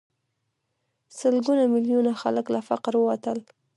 سلګونه میلیونه خلک له فقر ووتل.